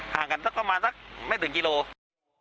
ห่างกันก็มาสักไม่ถึงกิโลกรัม